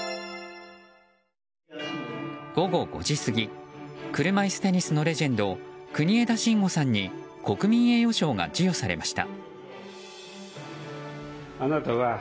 午後５時過ぎ車いすテニスのレジェンド国枝慎吾さんに国民栄誉賞が授与されました。